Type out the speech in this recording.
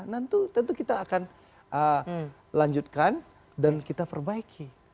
nanti tentu kita akan lanjutkan dan kita perbaiki